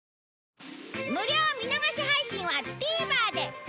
無料見逃し配信はＴＶｅｒで！